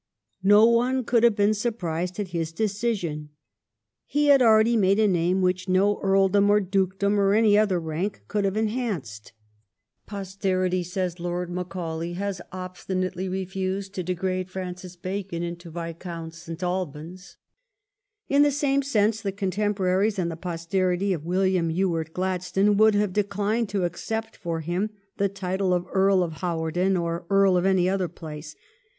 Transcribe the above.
No one could have been surprised at his decision. He had already made a name which no earldom or dukedom or any other rank could have enhanced. " Posterity," says Lord Macaulay, " has obstinately refused to degrade Francis Bacon into Viscount St. Albans." In the same sense, the contemporaries and the posterity of William Ewart Gladstone would have declined to accept for him the title of Earl of Hawarden or Earl of any other place.